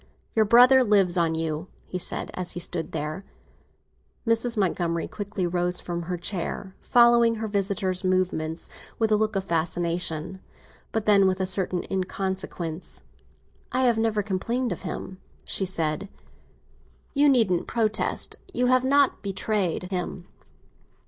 "Your brother lives on you," he said as he stood there. Mrs. Montgomery quickly rose from her chair, following her visitor's movements with a look of fascination. But then, with a certain inconsequence—"I have never complained of him!" she said. "You needn't protest—you have not betrayed him.